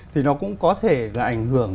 thì nó cũng có thể là ảnh hưởng